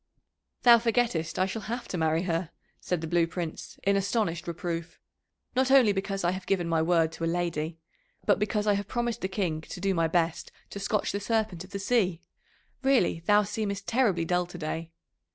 "Thou forgettest I shall have to marry her," said the Blue Prince in astonished reproof. "Not only because I have given my word to a lady, but because I have promised the King to do my best to scotch the Serpent of the Sea. Really thou seemest terribly dull to day.